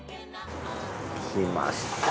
きました